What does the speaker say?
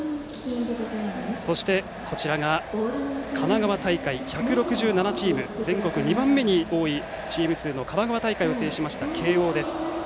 そして、神奈川大会１６７チーム全国２番目に多いチーム数の神奈川大会を制しました慶応です。